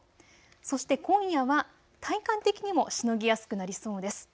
そして今夜は体感的にもしのぎやすくなりそうです。